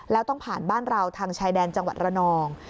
แล้วต้องผ่านบ้านเราทางชายแดนจังหวัดระนอง